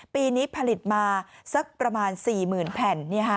ปีนี้ผลิตมาสักประมาณ๔๐๐๐แผ่น